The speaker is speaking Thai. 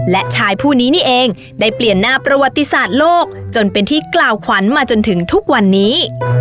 และชายผู้นี้นี่เองได้เปลี่ยนหน้าประวัติศาสตร์โลกจนเป็นที่กล่าวขวัญมาจนถึงทุกวันนี้